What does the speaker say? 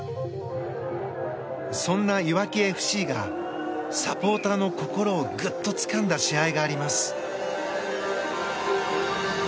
そんな、いわきＦＣがサポーターの心をぐっとつかんだ試合があります。